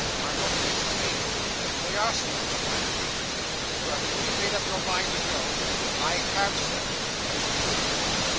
'Are your places taken?' 'They are, sir,' replied Job. 'You have fully made up your mind to go?' 'I have sir,' answered Job.